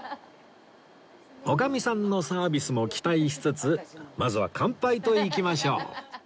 女将さんのサービスも期待しつつまずは乾杯といきましょう